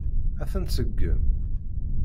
Ad ten-tseggem?